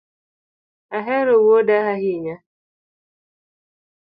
Ahero wuoda ahinya?